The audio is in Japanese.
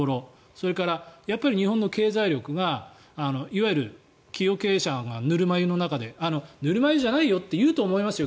それから、日本の経済力がいわゆる企業経営者がぬるま湯の中でぬるま湯じゃないよというかもしれないですよ。